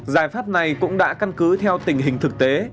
giải pháp này cũng đã căn cứ theo tình hình thực tế